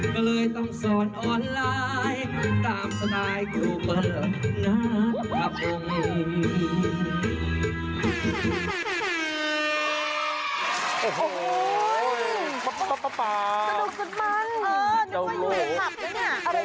ก็เลยต้องมาสอนออนไลน์โควิดที่กำลังฮิตในเมืองไทย